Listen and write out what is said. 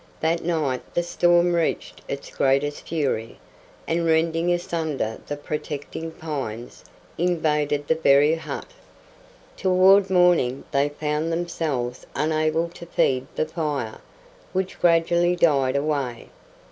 That night the storm reached its greatest fury, and, rending asunder the protecting pines, invaded the very hut. Toward morning they found themselves unable to feed the fire, which gradually died away.